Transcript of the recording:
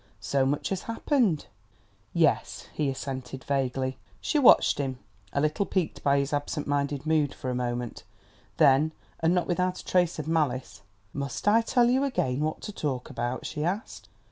"So much has happened!" "Yes," he assented vaguely. She watched him, a little piqued by his absent minded mood, for a moment; then, and not without a trace of malice: "Must I tell you again what to talk about?" she asked.